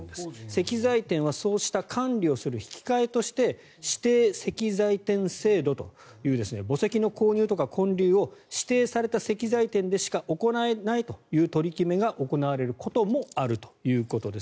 石材店はそうした管理をする引き換えとして指定石材店制度という墓石の購入とか建立を指定された石材店でしか行えないという取り決めが行われることもあるということです。